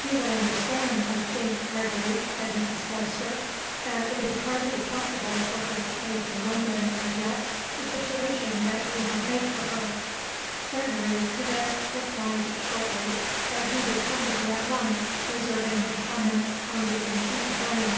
"You will understand, I think, Gregory," said Mrs. Forrester, "that it is hardly possible for her to face in London, as yet, the situation that you have made for her." Gregory, to this, replied, shortly, that he would come to her at once, reserving his comments on the imputed blame.